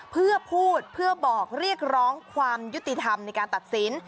เพื่อพูดเพื่อบอกเรียกร้องความยุติธรรมในการตัดสิน